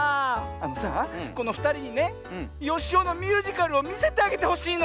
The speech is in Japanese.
あのさあこのふたりにねよしおのミュージカルをみせてあげてほしいの！